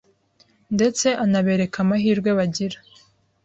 ndetse anabereka amahirwe bagira